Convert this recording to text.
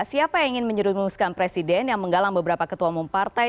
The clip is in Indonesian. siapa yang ingin menyerumuskan presiden yang menggalang beberapa ketua umum partai